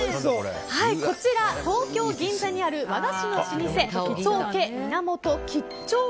こちら、東京・銀座にある和菓子の老舗宗家源吉兆庵